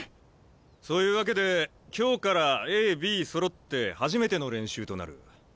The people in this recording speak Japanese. そういうわけで今日からＡＢそろって初めての練習となる。